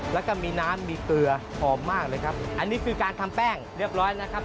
แล้วก็มีน้ำมีเกลือหอมมากเลยครับอันนี้คือการทำแป้งเรียบร้อยนะครับ